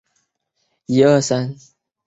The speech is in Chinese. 听到这消息